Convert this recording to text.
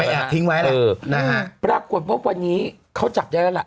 แอบทิ้งไว้แหละเออนะฮะปรากฏว่าวันนี้เขาจับได้แล้วล่ะ